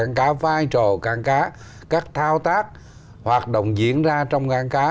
cảng cá vai trò cảng cá các thao tác hoạt động diễn ra trong cảng cá